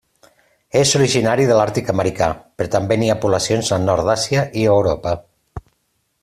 És originari de l'àrtic americà, però també n'hi ha poblacions al nord d'Àsia i Europa.